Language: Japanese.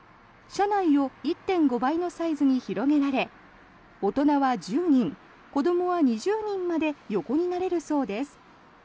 車内を１．５倍のサイズに広げられ大人は１０人子どもは２０人まで横になれるそうです。